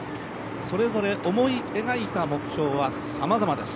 それぞれ思い描いた目標は様々です。